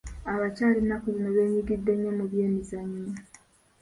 Abakyala ennaku zino beenyigidde nnyo mu by'emizannyo